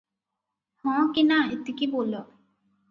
'ହଁ' କି 'ନା' ଏତିକି ବୋଲ ।